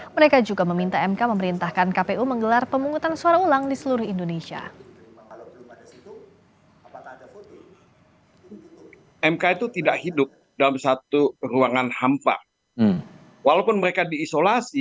mereka juga meminta mk memerintahkan kpu menggelar pemungutan suara ulang di seluruh indonesia